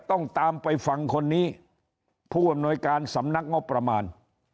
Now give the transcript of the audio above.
ต้องตามไปฟังคนนี้ผู้อำนวยการสำนักงบประมาณ